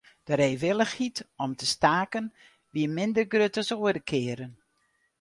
De reewillichheid om te staken wie minder grut as oare kearen.